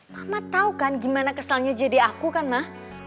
mama tau kan gimana keselnya jadi aku kan ma